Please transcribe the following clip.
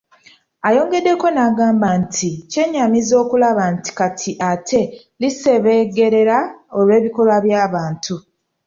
Ayongeddeko n'agamba nti kyennyamiza okulaba nti kati ate lisebengerera olw'ebikolwa by'abantu.